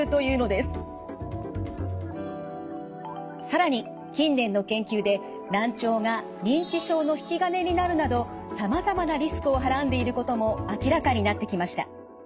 更に近年の研究で難聴が認知症の引き金になるなどさまざまなリスクをはらんでいることも明らかになってきました。